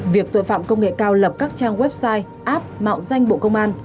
việc tội phạm công nghệ cao lập các trang website app mạo danh bộ công an